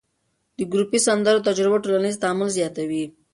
د ګروپي سندرو تجربه ټولنیز تعامل زیاتوي.